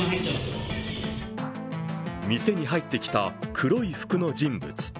店に入ってきた黒い服の人物。